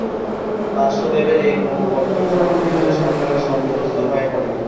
বাসুদেবের এই ক্রমবর্ধমান জনপ্রিয়তায় সরকার সন্ত্রস্ত হয়ে পড়ে।